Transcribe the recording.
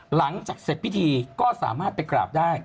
หลังจากเสร็จพิธีก็สามารถไปกราบได้